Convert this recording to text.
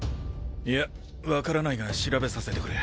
いや分からないが調べさせてくれ。